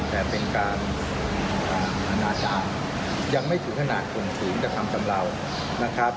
แต่เป็นการอาณาจารย์ยังไม่ถูกขนาดส่วนสูงแต่คำสำเหล่านะครับ